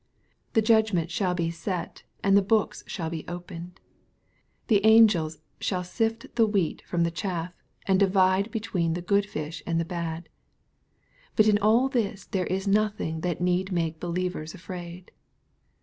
The judgment shall be set, and the books shall be opened. The angels shall sift the wheat from the chaff, and divide between the good fish and the bad. — But in all this there is nothing that need make believ ers afraid.